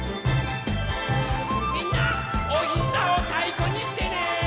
みんなおひざをたいこにしてね！